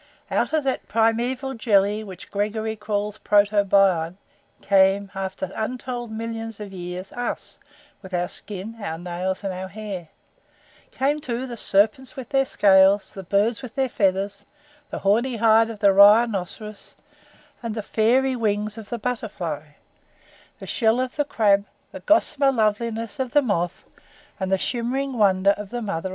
Out of that primeval jelly which Gregory * calls Protobion came after untold millions of years us with our skins, our nails, and our hair; came, too, the serpents with their scales, the birds with their feathers; the horny hide of the rhinoceros and the fairy wings of the butterfly; the shell of the crab, the gossamer loveliness of the moth and the shimmering wonder of the mother of pearl.